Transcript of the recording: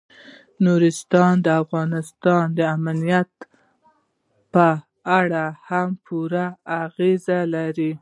نورستان د افغانستان د امنیت په اړه هم پوره اغېز لري.